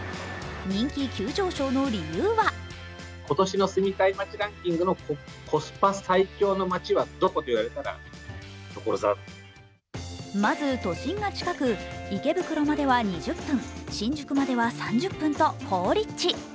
人気急上昇の理由はまず都心が近く池袋までは２０分、新宿までは３０分と好立地。